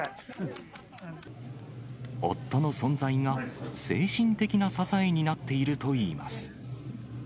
夫の存在が、精神的な支えになっているといいます。